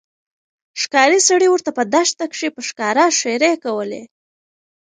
ښکارې سړي ورته په دښته کښي په ښکاره ښيرې کولې